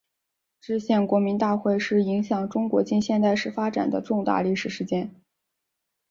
制宪国民大会是影响中国近现代史发展的重大历史事件。